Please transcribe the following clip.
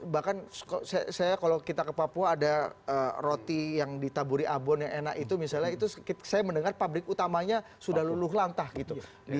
bahkan kalau kita ke papua ada roti yang ditaburi abon yang enak itu misalnya itu saya mendengar pabrik utamanya sudah luluh lantah gitu